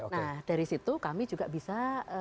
nah dari situ kami juga bisa